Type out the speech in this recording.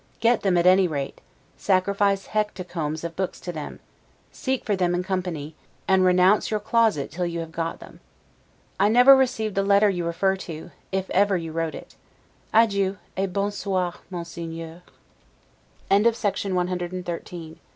Get them at any rate: sacrifice hecatombs of books to them: seek for them in company, and renounce your closet till you have got them. I never received the letter you refer to, if ever you wrote it. Adieu, et bon soir, Monseigneur. LETTER CXLV GREENWICH, June 6, O. S. 1751.